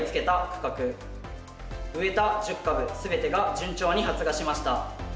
植えた１０株全てが順調に発芽しました。